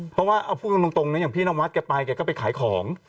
เพราะว่าเอาพูดตรงนะอย่างพี่นวัดแกไปแกก็ไปขายของ